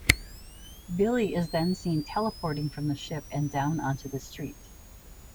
Billie is then seen teleporting from the ship and down onto the street.